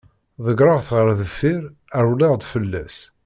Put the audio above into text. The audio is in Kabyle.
Deggreɣ-t ɣer deffir, rewleɣ-d fell-as.